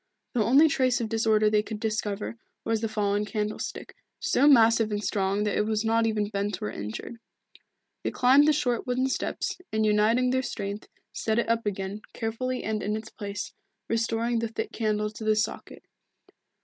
The only trace of disorder they could discover was the fallen candlestick, so massive and strong that it was not even bent or injured. They climbed the short wooden steps, and uniting their strength, set it up again, carefully and in its place, restoring the thick candle to the socket.